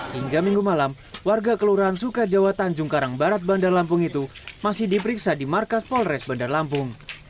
hingga minggu malam warga kelurahan sukajawa tanjung karang barat bandar lampung itu masih diperiksa di markas polres bandar lampung